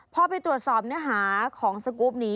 พอไปตรวจสอบเนื้อหาของสกรูปนี้